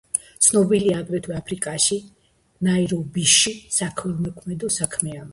ცნობილია აგრეთვე აფრიკაში, ნაირობიში საქველმოქმედო საქმიანობით.